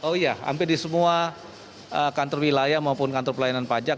oh iya hampir di semua kantor wilayah maupun kantor pelayanan pajak